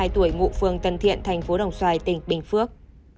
bốn mươi hai tuổi ngụ phương tân thiện thành phố đồng xoài tỉnh bình phước